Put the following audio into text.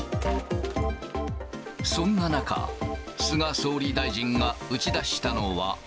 そんな中、菅総理大臣が打ち出したのは。